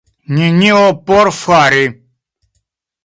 Nenio por fari.